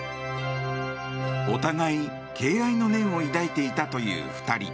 お互い敬愛の念を抱いていたという２人。